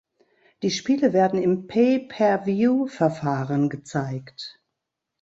Die Spiele werden im Pay-per-View-Verfahren gezeigt.